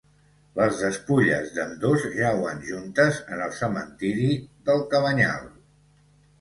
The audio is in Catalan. Les despulles d'ambdós jauen juntes en el Cementeri del Cabanyal.